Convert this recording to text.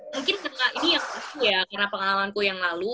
mungkin karena ini ya karena pengalaman ku yang lalu